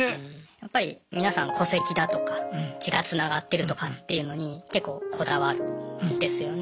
やっぱり皆さん戸籍だとか血がつながってるとかっていうのに結構こだわるんですよね。